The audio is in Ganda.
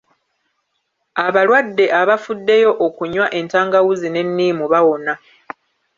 Abalwadde abafuddeyo okunywa entangawuzi n'enniimu bawona.